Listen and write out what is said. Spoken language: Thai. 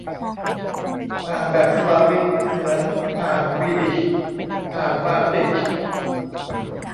อ่านแบบสลาวิก เหมือน อ่านวีดิช อ่านมาติช